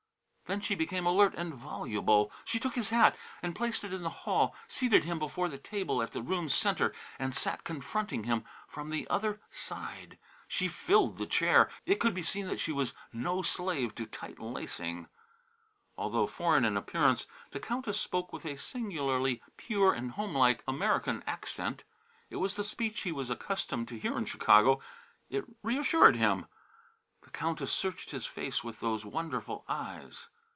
Then she became alert and voluble. She took his hat and placed it in the hall, seated him before the table at the room's centre and sat confronting him from the other side. She filled her chair. It could be seen that she was no slave to tight lacing. Although foreign in appearance, the Countess spoke with a singularly pure and homelike American accent. It was the speech he was accustomed to hear in Chicago. It reassured him. The Countess searched his face with those wonderful eyes.